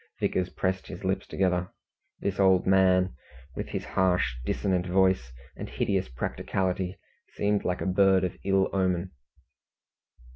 Vickers pressed his lips together. This old man, with his harsh, dissonant voice, and hideous practicality, seemed like a bird of ill omen.